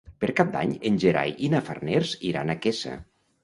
Per Cap d'Any en Gerai i na Farners iran a Quesa.